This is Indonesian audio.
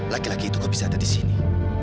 laki laki itu kok bisa ada di sini